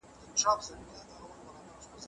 ولسي جرګه د پوهنتونونو کيفيت څاري.